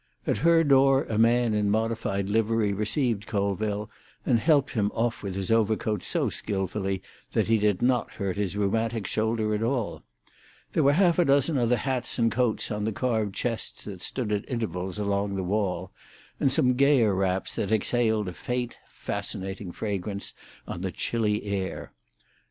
At her door a man in modified livery received Colville, and helped him off with his overcoat so skilfully that he did not hurt his rheumatic shoulder at all; there were half a dozen other hats and coats on the carved chests that stood at intervals along the wall, and some gayer wraps that exhaled a faint, fascinating fragrance on the chilly air.